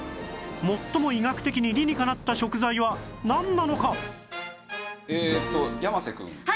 最も医学的に理にかなった食材はなんなのか？